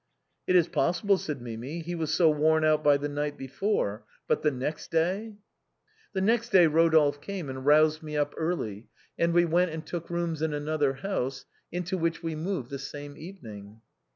" It is possible," said Mimi, "he was so worn out by the night before, but the next day ?"" The next day Rodolphe came and roused me up early MIMI IN FINE FEATHER. 383 au; ' we went and took rooms in another house, into which we moved the same evening."